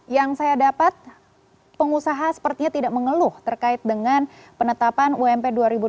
yang saya dapat pengusaha sepertinya tidak mengeluh terkait dengan penetapan ump dua ribu dua puluh empat